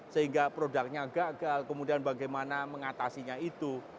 sehingga produknya gagal kemudian bagaimana mengatasinya itu